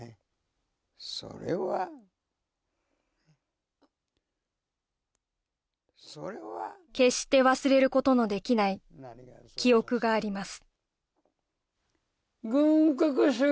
それは決して忘れることのできない記憶があります